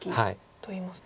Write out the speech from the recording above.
といいますと？